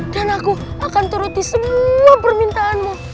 dan aku akan turuti semua permintaanmu